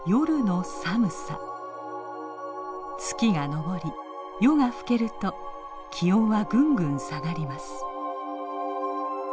月が昇り夜が更けると気温はぐんぐん下がります。